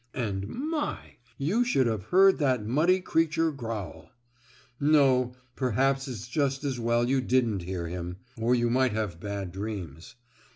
And, my! you should have heard that muddy creature growl. No, perhaps it's just as well you didn't hear him, or you might have bad dreams.